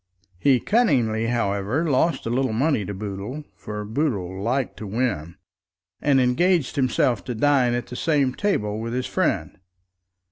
He cunningly, however, lost a little money to Boodle, for Boodle liked to win, and engaged himself to dine at the same table with his friend.